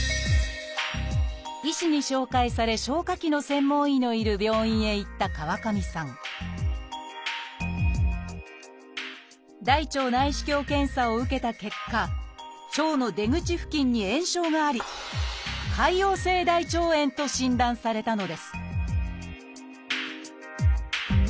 医師に紹介され消化器の専門医のいる病院へ行った川上さん大腸内視鏡検査を受けた結果腸の出口付近に炎症があり「潰瘍性大腸炎」と診断されたのです